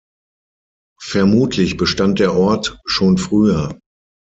Vermutlich bestand der Ort schon früher.